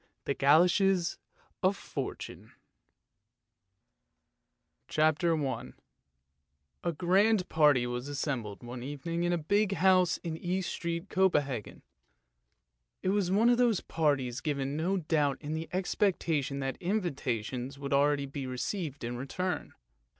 THE GOLOSHES OF FORTUNE CHAPTER I A GRAND party was assembled one evening in a big house in East Street, Copenhagen. It was one of those parties given, no doubt, in the expectation that invitations would be received in return.